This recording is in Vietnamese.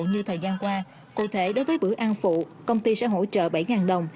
như thời gian qua cụ thể đối với bữa ăn phụ công ty sẽ hỗ trợ bảy đồng